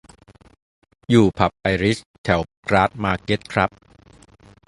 อยู่ผับไอริชแถวกราสมาร์เก็ตครับ